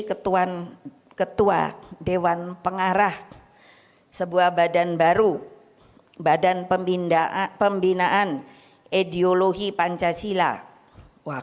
ketuan ketua dewan pengarah sebuah badan baru badan pembinaan pembinaan ideologi pancasila wah